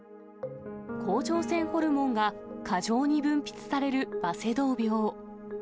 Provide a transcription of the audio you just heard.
甲状腺ホルモンが過剰に分泌されるバセドウ病。